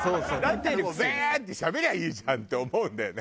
だったらもうバーッてしゃべりゃいいじゃんって思うんだよね。